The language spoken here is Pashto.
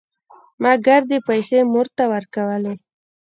ما ګردې پيسې مور ته ورکولې.